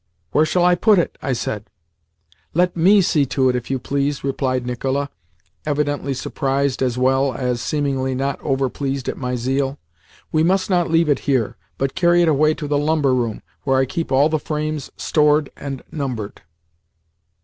"Where shall I put it?" I said. "Let ME see to it, if you please," replied Nicola, evidently surprised as well as, seemingly, not over pleased at my zeal. "We must not leave it here, but carry it away to the lumber room, where I keep all the frames stored and numbered."